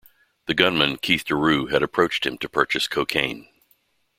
The gunman, Keith Deroux, had approached him to purchase cocaine.